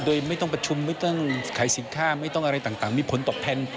โดยไม่ต้องประชุมไม่ต้องขายสินค้าไม่ต้องอะไรต่างมีผลตอบแทน